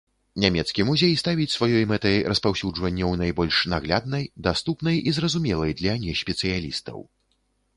Нямецкі музей ставіць сваёй мэтай распаўсюджванне ў найбольш нагляднай, даступнай і зразумелай для неспецыялістаў.